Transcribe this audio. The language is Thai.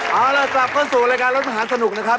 เอาล่ะสวัสดีค่ะสู่รายการรถมหาสนุกนะครับ